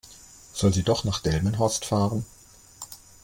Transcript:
Soll sie doch nach Delmenhorst fahren?